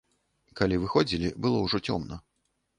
Калі выходзілі, было ўжо цёмна.